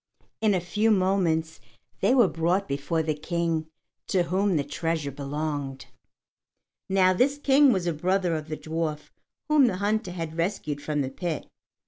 In a few moments they were brought before the King to whom the treasure belonged. Now this King was a brother of the dwarf whom the hunter had rescued from the pit.